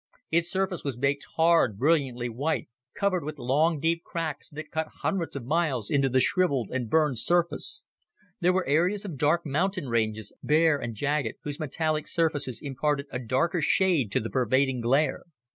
Its surface was baked hard, brilliantly white, covered with long, deep cracks that cut hundreds of miles into the shriveled and burned surface. There were areas of dark mountain ranges, bare and jagged, whose metallic surfaces imparted a darker shade to the pervading glare.